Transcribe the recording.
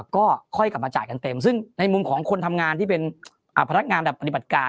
ก็ค่อยกลับมาจ่ายกันเต็มซึ่งในมุมของคนทำงานที่เป็นพนักงานแบบปฏิบัติการ